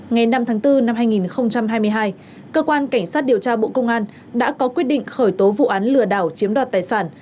ngày năm tháng bốn năm hai nghìn hai mươi hai cơ quan cảnh sát điều tra bộ công an đã có quyết định khởi tố vụ án lừa đảo chiếm đoạt tài sản